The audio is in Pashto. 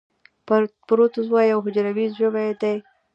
پروټوزوا یو حجروي ژوي دي